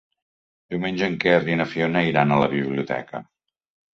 Diumenge en Quer i na Fiona iran a la biblioteca.